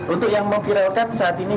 untuk yang memviralkan saat ini